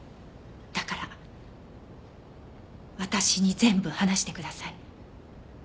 だから私に全部話してください。